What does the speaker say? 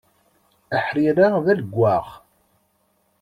Aḥrir-a d alewwaɣ.